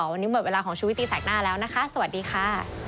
วันนี้หมดเวลาของชุวิตตีแสกหน้าแล้วนะคะสวัสดีค่ะ